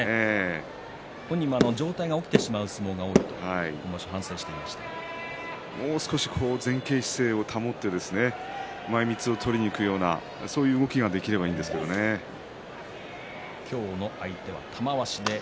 本人は上体が起きてしまう相撲が多いという反省を前傾姿勢を保って前みつを取りにいくようなそういう動きができれば今日の相手は玉鷲です。